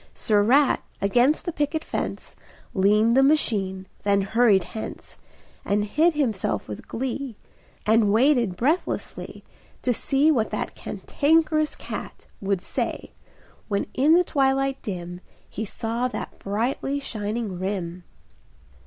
Sir Rat, against the picket fence Leaned the machine, then hurried hence, And hid himself with glee, And waited breathlessly To see what that Cantankerous cat Would say, when in the twilight dim He saw that brightly shining rim.